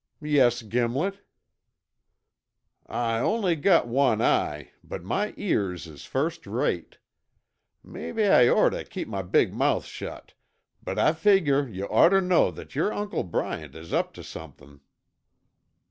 "Yes, Gimlet?" "I on'y got one eye, but my ears is first rate. Mebbe I orter keep my big mouth shut, but I figger yuh orter know that yer Uncle Bryant is up tuh somethin'."